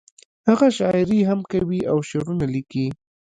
هغه شاعري هم کوي او شعرونه ليکي